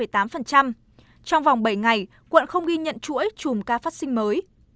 trong vòng bảy ngày quận không ghi nhận chuỗi chùm ca phát sinh mới